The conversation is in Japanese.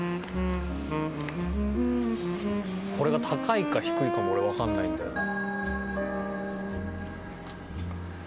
これが高いか低いかも俺わかんないんだよな。